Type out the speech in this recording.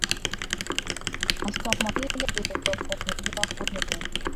na somo lile lililopokelewa kule kenya